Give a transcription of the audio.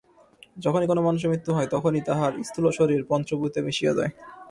যখনই কোন মানুষের মৃত্যু হয়, তখনই তাহার স্থূলশরীর পঞ্চভূতে মিশিয়া যায়।